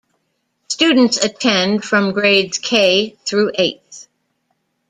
Students attend from grades K through Eighth.